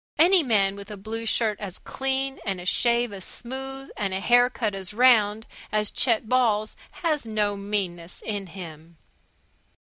Any man with a blue shirt as clean, and a shave as smooth, and a haircut as round as Chet Ball's has no meanness in him.